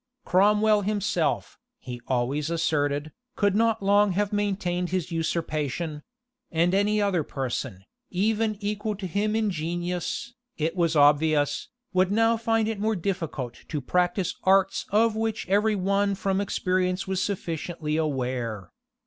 Cromwell himself, he always asserted,[*] could not long have maintained his usurpation; and any other person, even equal to him in genius, it was obvious, would now find it more difficult to practise arts of which every one from experience was sufficiently aware.